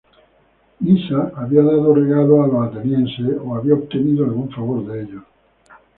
Nisa había dado regalos a los atenienses o había obtenido algún favor de ellos.